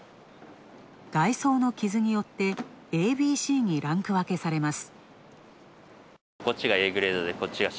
外装の傷によってＡＢＣにランク分けされます。